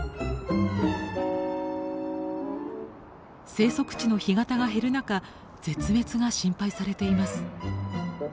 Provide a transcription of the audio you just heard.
生息地の干潟が減る中絶滅が心配されています。